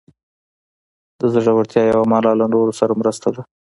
د زړورتیا یوه معنی له نورو سره مرسته ده.